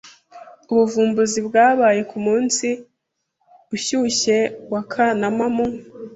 Ubuvumbuzi bwabaye ku munsi ushyushye wa Kanama mu .